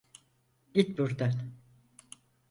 Git burdan!